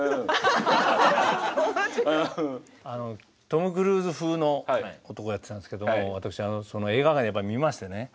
トム・クルーズ風の男をやってたんですけど私映画館でやっぱり見ましてね。